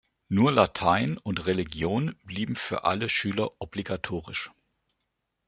Nur Latein und Religion blieben für alle Schüler obligatorisch.